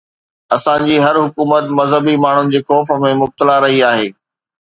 اسان جي هر حڪومت مذهبي ماڻهن جي خوف ۾ مبتلا رهي آهي.